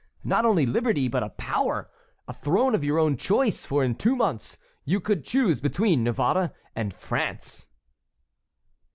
not only liberty, but power; a throne of your own choice, for in two months you could choose between Navarre and France."